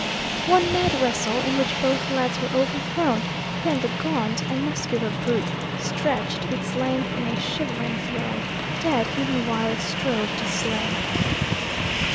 One mad wrestle, in which both lads were overthrown, then the gaunt and muscular brute stretched its length in a shivering throe, dead even while it strove to slay.